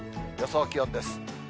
予想気温です。